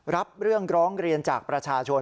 รับเรื่องร้องเรียนจากประชาชน